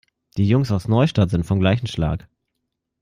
Die Jungs aus Neustadt sind vom gleichen Schlag.